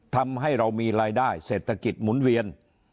ทำให้เรามีรายได้เศรษฐกิจหมุนเวียน